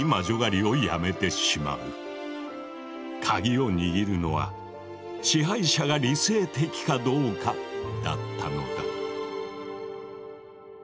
カギを握るのは支配者が理性的かどうかだったのだ。